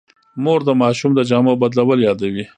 مور د ماشوم د جامو بدلول یادوي.